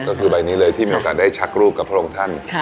ก็คือใบนี้เลยที่มีโอกาสได้ชักรูปกับพระองค์ท่าน